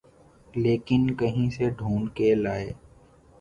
لیکن کہیں سے ڈھونڈ کے لائے۔